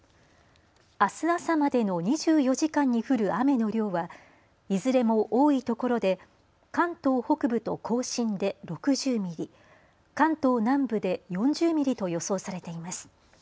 あす朝までの２４時間に降る雨の量はいずれも多いところで関東北部と甲信で６０ミリ、関東南部で４０ミリと予想されています。